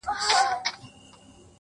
ته خو دا ټول کاينات خپله حافظه کي ساتې’